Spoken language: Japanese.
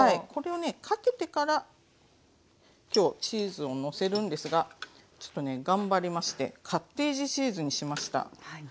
これをねかけてからきょうチーズをのせるんですがちょっとね頑張りましてカッテージチーズにしました。